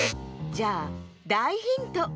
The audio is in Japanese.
じゃあだいヒント。